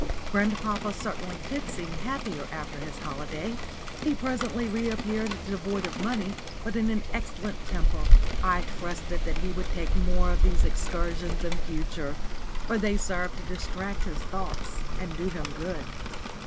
Grandpapa certainly did seem happier after his holiday. He presently re appeared devoid of money, but in an excellent temper. I trusted that he would take more of these excursions in future, for they served to distract his thoughts and do him good.